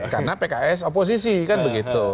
karena pks oposisi kan begitu